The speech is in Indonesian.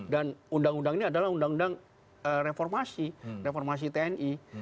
dan undang undang ini adalah undang undang reformasi reformasi tni